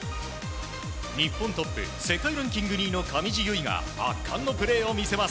日本トップ世界ランキング２位の上地結衣が圧巻のプレーを見せます。